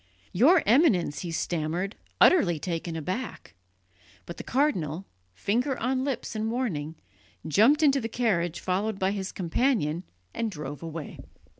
"Your Eminence!" he stammered, utterly taken aback; but the cardinal, finger on lips in warning, jumped into the carriage followed by his companion, and drove away.